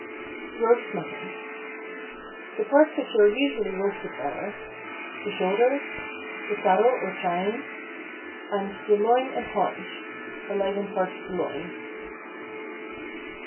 ROAST MUTTON. The parts which are usually roasted are:— The shoulder, The saddle, or chine, and The loin and haunch (a leg and part of the loin).